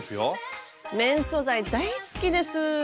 綿素材大好きです！